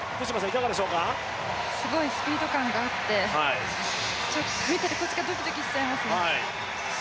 すごいスピード感があって見ているこっちがドキドキしちゃいますね。